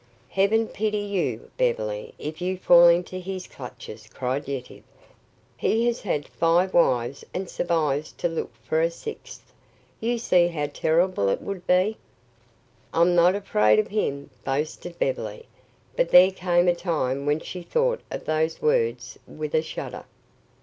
"Heaven pity you, Beverly, if you fall into his clutches," cried Yetive. "He has had five wives and survives to look for a sixth. You see how terrible it would be." "I'm not afraid of him," boasted Beverly, but there came a time when she thought of those words with a shudder.